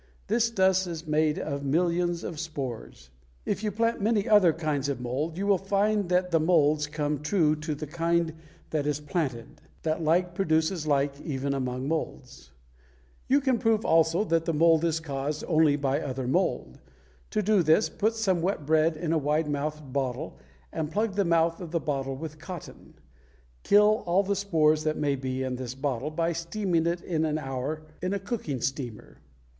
This dust is made of millions of spores. [Illustration: FIG. 113. MAGNIFIED ROSE MILDEW] If you plant many other kinds of mold you will find that the molds come true to the kind that is planted; that like produces like even among molds. [Illustration: FIG. 114. A MILDEWED ROSE] You can prove, also, that the mold is caused only by other mold. To do this, put some wet bread in a wide mouthed bottle and plug the mouth of the bottle with cotton. Kill all the spores that may be in this bottle by steaming it an hour in a cooking steamer.